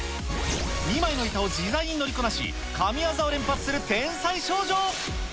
２枚の板を自在に乗りこなし、神業を連発する天才少女。